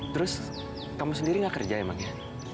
terus kamu sendiri nggak kerja emang ya